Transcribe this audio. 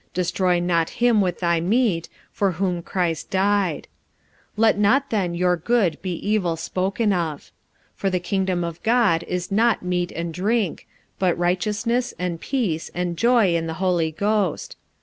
Destroy not him with thy meat, for whom Christ died. 45:014:016 Let not then your good be evil spoken of: 45:014:017 For the kingdom of God is not meat and drink; but righteousness, and peace, and joy in the Holy Ghost.